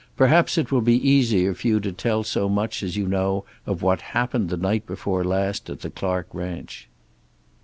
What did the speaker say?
Perhaps it will be easier for you to tell so much as you know of what happened the night before last at the Clark ranch."